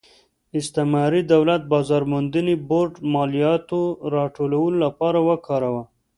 استعماري دولت بازار موندنې بورډ د مالیاتو راټولولو لپاره وکاراوه.